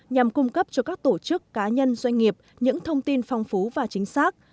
nhằm cung cấp cho các tổ chức cá nhân doanh nghiệp những thông tin phong phú và chính xác